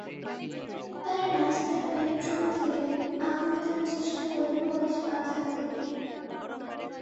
তারা রাস্তায় পেট্রল ঢেলে আগুন দেওয়ার চেষ্টা করলে পুলিশ বাধা দেয়।